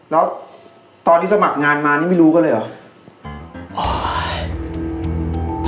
แล้วตอนที่สมัครงานมานี่ไม่รู้กันเลยเหรอ